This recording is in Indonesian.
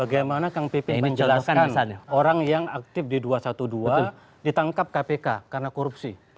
bagaimana kang pipin menjelaskan orang yang aktif di dua ratus dua belas ditangkap kpk karena korupsi